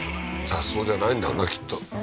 雑草じゃないんだろうな、きっと。